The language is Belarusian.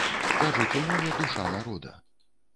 Кажуць, у мове душа народа.